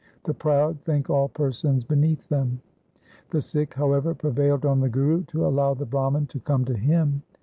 The proud think all persons beneath them.' The Sikh, however, prevailed on the Guru to allow the Brahman to come to him.